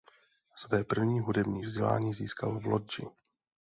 Své první hudební vzdělání získal v Lodži.